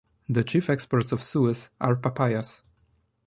The chief exports of Suez are papayas.